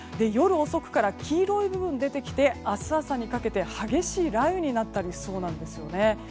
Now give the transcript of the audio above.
夜遅くから黄色い部分が出てきて明日朝にかけて激しい雷雨になったりしそうです。